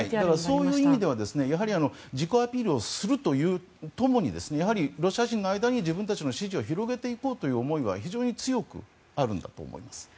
そういう意味では自己アピールをするとともにロシア人の間に自分たちの支持を広げていこうという思いは非常に強くあるんだと思います。